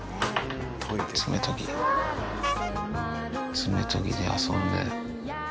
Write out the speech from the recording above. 爪とぎ爪とぎで遊んで。